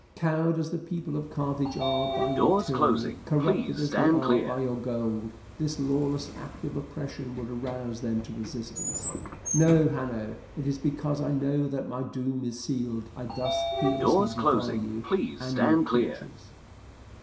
Cowed as the people of Carthage are by your tyranny, corrupted as they are by your gold, this lawless act of oppression would rouse them to resistance. No, Hanno, it is because I know that my doom is sealed I thus fearlessly defy you and your creatures."